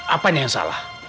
apanya yang salah